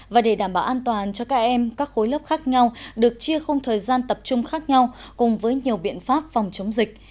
và để đảm bảo an toàn cho các em các khối lớp khác nhau được chia không thời gian tập trung khác nhau cùng với nhiều biện pháp phòng chống dịch